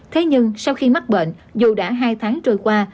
thế nhưng sau khi mắc bệnh dù đã hai tháng trôi qua